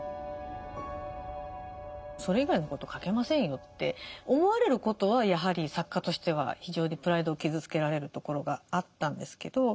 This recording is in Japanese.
それ以外のこと書けませんよって思われることはやはり作家としては非常にプライドを傷つけられるところがあったんですけど。